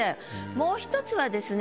もう一つはですね